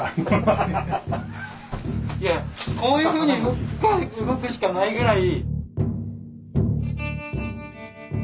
いやいやこういうふうに動くしかないぐらい。